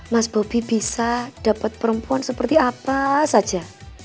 mas bobi bisa dapat perempuan seperti apa saja